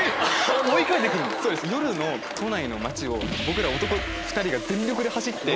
追い掛けて来るの⁉夜の都内の街を僕ら男２人が全力で走って。